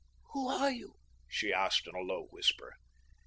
"Who are you?" she asked in a low whisper.